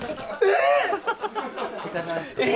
えっ？